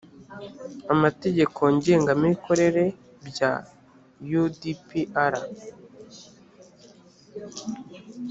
amategeko ngengamikorere bya u d p r